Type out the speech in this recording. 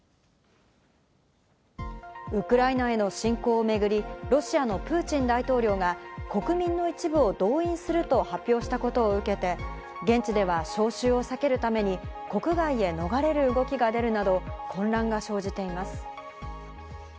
ウクライナへの侵攻をめぐり、ロシアのプーチン大統領が国民の一部を動員すると発表したことを受けて、現地では招集を避けるために国外へ逃れる動きが出るなど、混乱が生じています。